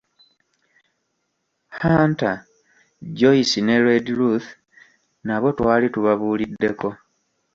Hunter, Joyce ne Redruth nabo twali tubabuuliddeko.